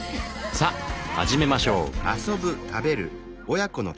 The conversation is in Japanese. さあ始めましょう。